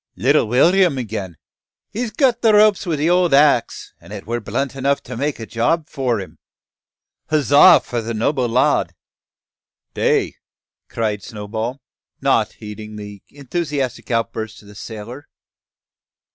"Little Will'm again! He's cut the ropes wi' the old axe, an' it were blunt enough to make a job for him! Huzza for the noble lad!" "Tay!" cried Snowball, not heeding the enthusiastic outburst of the sailor.